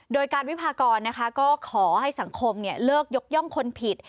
โดยการวิพากรนะคะก็ขอให้สังคมเลิกยกย่องคนผิด